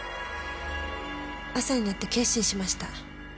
朝になって決心しました。